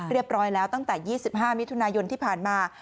เรียบร้อยแล้วตั้งแต่๒๕มิถุนายนที่ผ่านมา